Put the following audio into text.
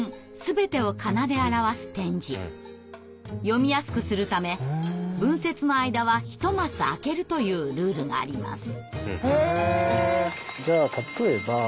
読みやすくするため文節の間は１マス空けるというルールがあります。